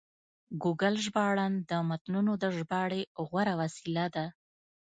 ګوګل ژباړن د متنونو د ژباړې غوره وسیله ده.